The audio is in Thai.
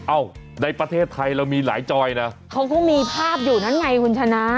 เอ้าในประเทศไทยเรามีหลายจอยนะเขาก็มีภาพอยู่นั่นไงคุณชนะ